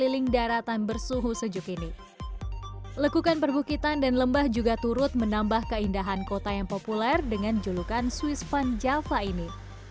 lekukan perbukitan dan lembah juga turut menambah keindahan kota yang populer dengan julukan swiss van java ini